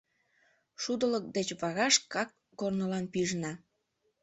Шудылык деч вара шкак корнылан пижына.